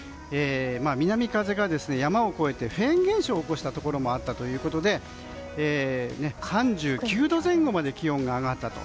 南風が山を越えてフェーン現象を起こしたところもあったということで３９度前後まで気温が上がったと。